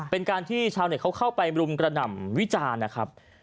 เป็นการที่ชาวเน็ตเขาเข้าไปรุมกระหน่ำวิจารณ์นะครับ